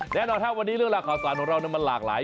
และถ้าวันนี้เรื่องราคาสารของเรามันหลากหลาย